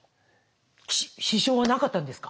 支障はなかったんですか？